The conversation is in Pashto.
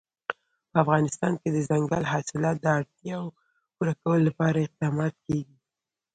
په افغانستان کې د دځنګل حاصلات د اړتیاوو پوره کولو لپاره اقدامات کېږي.